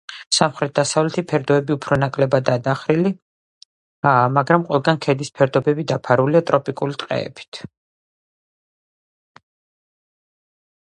სამხრეთ-დასავლეთი ფერდოები უფრო ნაკლებადაა დახრილი, მაგრამ ყველგან ქედის ფერდოები დაფარულია ტროპიკული ტყეებით.